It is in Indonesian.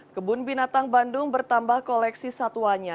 kebun binatang bandung bertambah koleksi satwanya